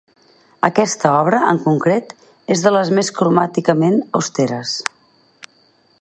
Aquesta obra en concret és de les més cromàticament austeres.